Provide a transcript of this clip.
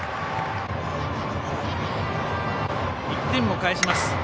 １点を返します。